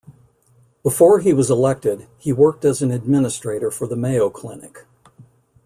Before he was elected, he worked as an administrator for the Mayo Clinic.